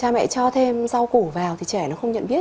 cha mẹ cho thêm rau củ vào thì trẻ nó không nhận biết